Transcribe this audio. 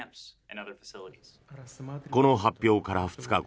この発表から２日後